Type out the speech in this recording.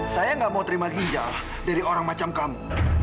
saya gak mau terima ginjal dari orang macam kamu